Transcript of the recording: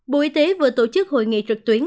bộ y tế vừa tổ chức hội nghị trực tuyến